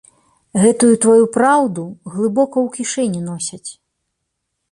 Гэтую тваю праўду глыбока ў кішэні носяць.